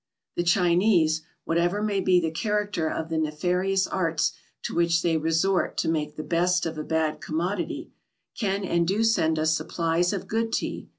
The Chinese, whatever may be the character of the nefarious arts to which they resort to make the best of a bad commodity, can and do send us supplies of good Tea.